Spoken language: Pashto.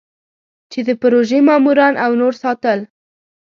چې د پروژې ماموران او نور ساتل.